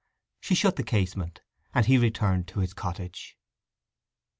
She shut the casement, and he returned to his cottage.